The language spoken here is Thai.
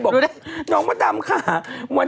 อันนั้นมันสมัยยังเด็ก